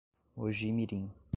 Mogi Mirim